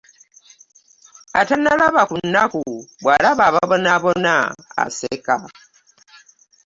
Atanalaba ku nnaku, bwalaba ababonabona aseka .